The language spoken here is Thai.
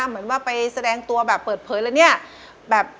เหมือนว่าไปแสดงตัวแบบเปิดเผยแล้วเนี่ย